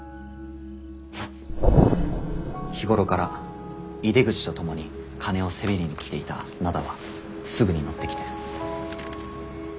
日頃から井出口とともに金をせびりに来ていた灘はすぐに乗ってきて。